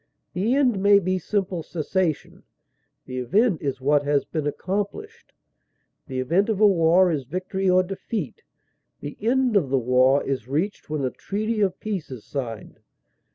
The end may be simple cessation; the event is what has been accomplished; the event of a war is victory or defeat; the end of the war is reached when a treaty of peace is signed.